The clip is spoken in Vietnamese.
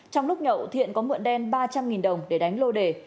trong lúc nhậu thiện có mượn đen ba trăm linh đồng để đánh lô đề